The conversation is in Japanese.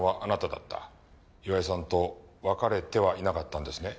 岩井さんと別れてはいなかったんですね？